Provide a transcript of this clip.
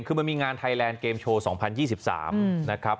คือมันมีงานไทยแลนด์เกมโชว์๒๐๒๓นะครับ